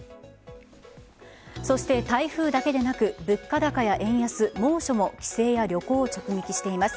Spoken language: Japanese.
そして台風だけでなく物価高や円安、猛暑も帰省や旅行を直撃しています。